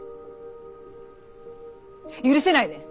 許せないね。